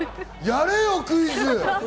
やれよクイズ！